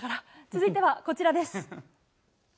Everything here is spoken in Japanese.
続いてはこちらです。